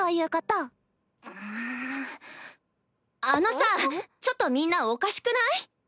あのさちょっとみんなおかしくない？